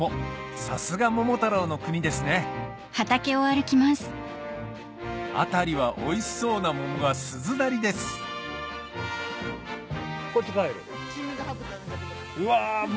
さすが桃太郎の国ですね辺りはおいしそうな桃が鈴なりですうわ桃。